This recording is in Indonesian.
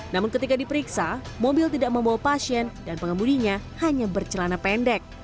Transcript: namun ketika diperiksa mobil tidak membawa pasien dan pengemudinya hanya bercelana pendek